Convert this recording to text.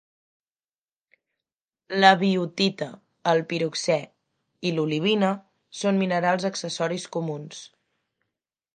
La biotita, el piroxè i l'olivina són minerals accessoris comuns.